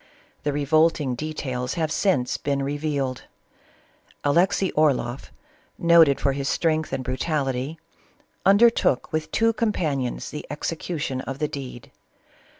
The revolting details have since been revealed. Alexey Orloff, noted for his strength and brutality, undertook with two companions the ex ecution of the deed.